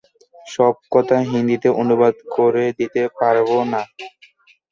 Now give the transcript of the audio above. সব কথা হিন্দিতে অনুবাদ করে দিতে পারব না।